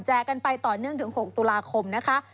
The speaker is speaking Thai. กันไปต่อเนื่องถึง๖ตุลาคมนะคะ